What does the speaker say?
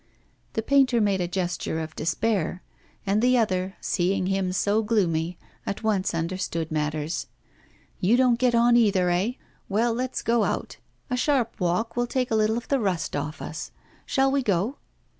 The painter made a gesture of despair, and the other, seeing him so gloomy, at once understood matters. 'You don't get on either, eh? Well, let's go out. A sharp walk will take a little of the rust off us. Shall we go?